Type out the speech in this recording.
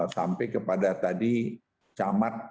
sampai kepada tadi camatnya